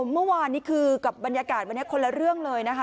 เมื่อวานนี้คือกับบรรยากาศวันนี้คนละเรื่องเลยนะคะ